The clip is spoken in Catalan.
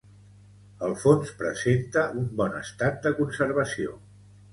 El fons presenta un bon estat de conservació.